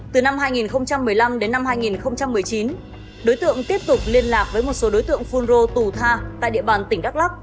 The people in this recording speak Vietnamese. từ năm hai nghìn một mươi năm đến năm hai nghìn một mươi chín đối tượng tiếp tục liên lạc với một số đối tượng phun rô tù tha tại địa bàn tỉnh đắk lắc